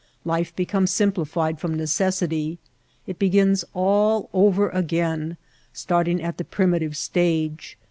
Life becomes simplified from necessity. It begins all over again, starting at the primitive stage.